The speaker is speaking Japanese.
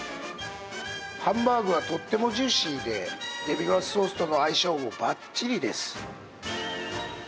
ハンバーグはとってもジューシーで、デミグラスソースとの相性もばっちりです。